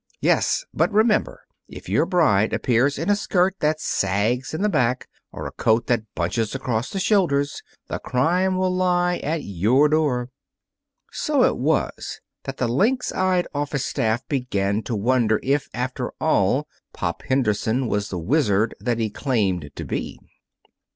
"Yes; but remember, if your bride appears in a skirt that sags in the back or a coat that bunches across the shoulders, the crime will lie at your door." So it was that the lynx eyed office staff began to wonder if, after all, Pop Henderson was the wizard that he had claimed to be.